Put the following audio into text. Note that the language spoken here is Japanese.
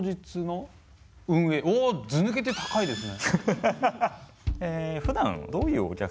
おずぬけて高いですね。